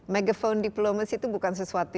megaphone diplomacy itu bukan sesuatu